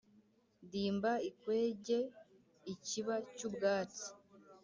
Dimba ikwege-Ikiba cy'ubwatsi.